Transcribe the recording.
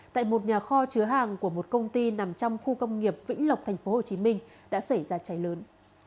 tại một nhà kho chứa hàng của một công ty nằm trong khu công nghiệp vĩnh lộc tp hcm đã xảy ra cháy lớn